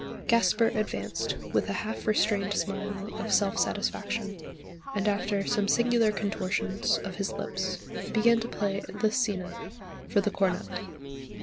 Gasper advanced with a half restrained smile of self satisfaction, and after some singular contortions of his lips began to play the scena for the cornet.